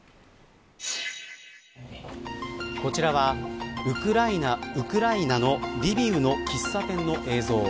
こちらはウクライナのリビウの喫茶店の映像。